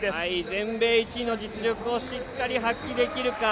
全米１位の実力をしっかり発揮できるか。